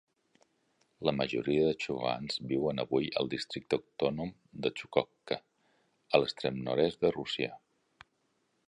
La majoria de txuvans viuen avui al districte autònom de Txukotka, a l'extrem nord-est de Rússia.